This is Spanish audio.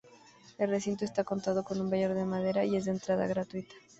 El recinto está acotado con un vallado de madera, y es de entrada gratuita.